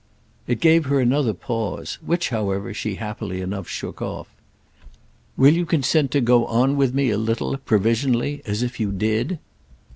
It gave her another pause; which, however, she happily enough shook off. "Will you consent to go on with me a little—provisionally—as if you did?"